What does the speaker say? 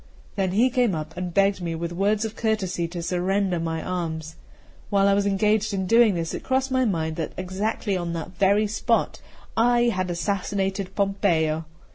Then he came up, and begged me with words of courtesy to surrender my arms. While I was engaged in doing this, it crossed my mind that exactly on that very spot I had assassinated Pompeo.